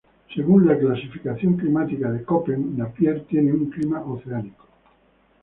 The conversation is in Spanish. Según la clasificación climática de Köppen, Napier tiene un clima oceánico.